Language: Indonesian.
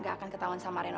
nggak akan ketahuan sama reno